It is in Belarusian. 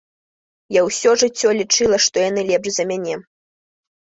Я ўсё жыццё лічыла, што яны лепш за мяне.